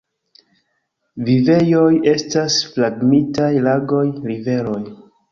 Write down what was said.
Vivejoj estas fragmitaj lagoj, riveroj.